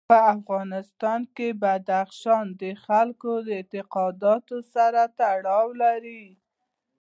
په افغانستان کې بدخشان د خلکو د اعتقاداتو سره تړاو لري.